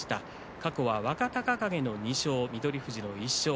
過去は若隆景の２勝翠富士の１勝。